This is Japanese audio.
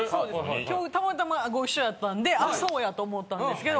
今日たまたまご一緒やったんであそうや！と思ったんですけど。